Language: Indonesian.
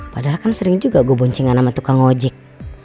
padahal kan sering juga gua boncengan sama tukang ngajek